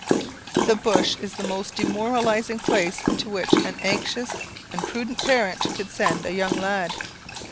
The bush is the most demoralizing place to which an anxious and prudent parent could send a young lad.